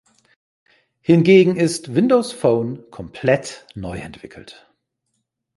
Hingegen ist Windows Phone komplett neu entwickelt.